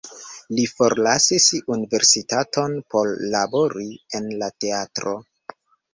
Li forlasis universitaton por labori en la teatro.